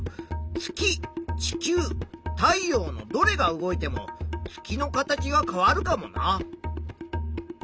月地球太陽のどれが動いても月の形は変わるかもな。